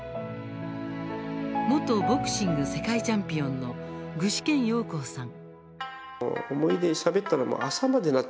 元ボクシング世界チャンピオンの具志堅用高さん。